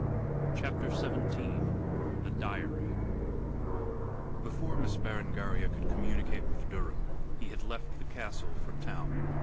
CHAPTER XVII THE DIARY Before Miss Berengaria could communicate with Durham, he had left the castle for town.